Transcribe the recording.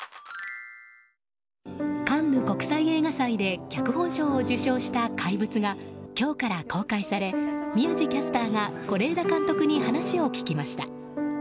カンヌ国際映画祭で脚本賞を受賞した「怪物」が今日から公開され宮司キャスターが是枝監督に話を聞きました。